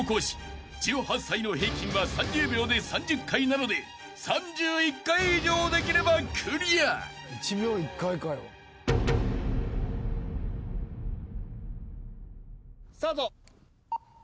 ［１８歳の平均は３０秒で３０回なので３１回以上できればクリア］スタート。